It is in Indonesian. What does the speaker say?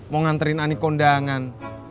mau nganterin ani kondangan